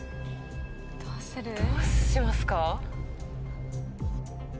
どうしますか？